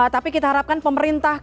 tapi kita harapkan pemerintah